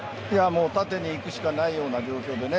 縦に行くしかないような状況。